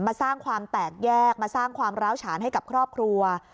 มาสร้างความแตกแยกมาสร้างความร้าวฉานให้กับครอบครัว